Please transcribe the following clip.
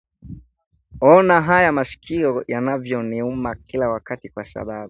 ona haya masikio yanavyoniuma kila wakati kwa sababu